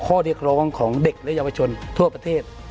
ข้อเรียกร้องของเด็กและเยาวชนทั่วประเทศ